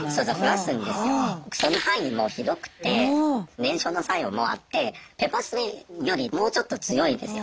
その範囲も広くて燃焼の作用もあってペッパースプレーよりもうちょっと強いですよ。